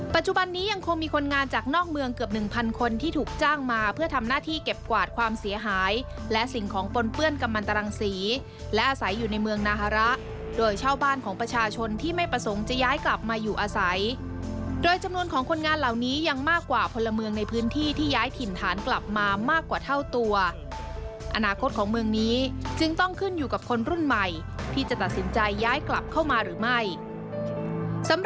ปัจจุบันนี้ยังคงมีคนงานจากนอกเมืองเกือบ๑๐๐๐คนที่ถูกจ้างมาเพื่อทำหน้าที่เก็บกวาดความเสียหายและสิ่งของปนเปื้อนกับมันตรังสีและอาศัยอยู่ในเมืองนาฮาระโดยเช่าบ้านของประชาชนที่ไม่ประสงค์จะย้ายกลับมาอยู่อาศัยโดยจำนวนของคนงานเหล่านี้ยังมากกว่าพลเมืองในพื้นที่ที่ย้ายถิ่นฐานกลับมามา